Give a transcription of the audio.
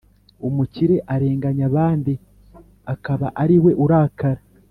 Umukire arenganya abandi akaba ari we urakara!